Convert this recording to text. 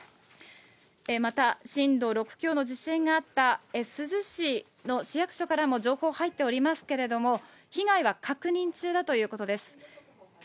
えまた、震度６強の地震があった珠洲市の市役所からも情報入っておりますけれども、被害は確認中だということです。